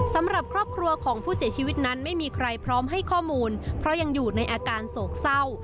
สำหรับครอบครัวของผู้เสียชีวิตนั้นไม่มีใครพร้อมให้ข้อมูลเพราะยังอยู่ในอาการโศกเศร้า